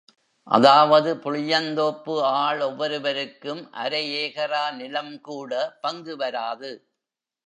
அதாவது புளியந்தோப்பு ஆள் ஒவ்வொருவருக்கும் அரை ஏகரா நிலம் கூட பங்கு வராது.